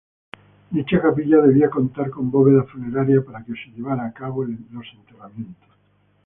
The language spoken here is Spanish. Dicha capilla debía contar con bóveda funeraria para que se llevara a cabo enterramientos.